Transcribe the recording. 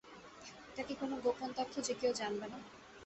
এটা কি কোনো গোপন তথ্য যে, কেউ জানবে না?